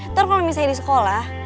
ntar kalo misalnya di sekolah